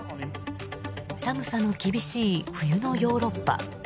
寒さの厳しい冬のヨーロッパ。